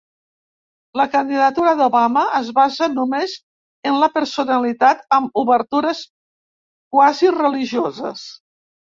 La candidatura d'Obama es basa només en la personalitat, amb obertures quasi religioses.